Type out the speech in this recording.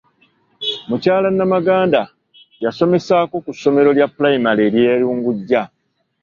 Mukyala Namaganda yasomesaako ku ssomero lya pulayimale erye Lungujja